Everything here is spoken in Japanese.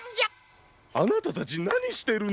あなたたちなにしてるの？